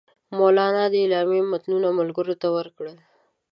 مولنا د اعلامیې متنونه ملګرو ته ورکړل.